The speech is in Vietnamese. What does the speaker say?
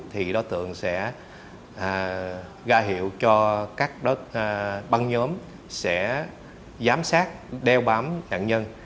thì đối tượng sẽ ra hiệu cho các băng nhóm sẽ giám sát đeo bám nạn nhân